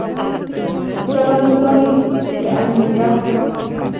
Na hop amitwokik Che anyinyi ra